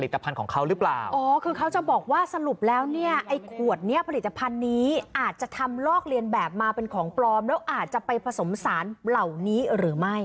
แต่มาเป็นของปลอมแล้วอาจจะไปผสมศาลเหล่านี้หรือไม่